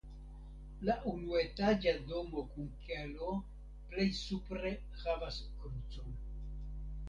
La unuetaĝa domo kun kelo plej supre havas krucon.